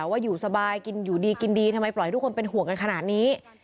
ว่าอยู่สบายกินอยู่ดีกินดีทำไมปล่อยทุกคนเป็นห่วงกันขนาดนี้